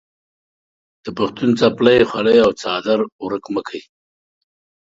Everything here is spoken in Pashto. د پښتون څپلۍ، خولۍ او څادر ورک مه کې.